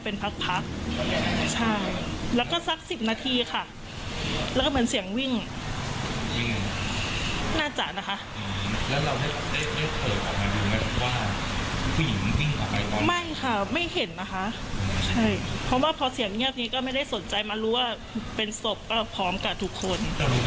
เพราะว่าพอเสียงเงียบนี้ก็ไม่ได้สนใจมารู้ว่าเป็นศพพร้อมกับทุกคน